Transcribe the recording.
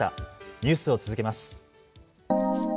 ニュースを続けます。